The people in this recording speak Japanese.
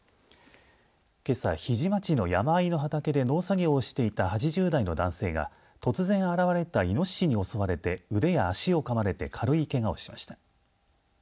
けさ、日出町の山あいの畑で農作業をしていた８０代の男性が突然現れた、いのししに襲われて腕や足をかまれて軽いけがをしました。